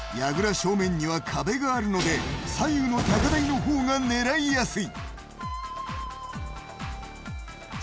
正面には壁があるので左右の高台の方が狙いやすい。